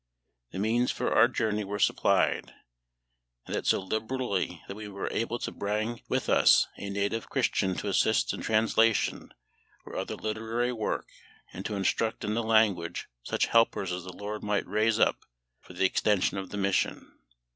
The means for our journey were supplied, and that so liberally that we were able to bring with us a native Christian to assist in translation or other literary work, and to instruct in the language such helpers as the LORD might raise up for the extension of the Mission.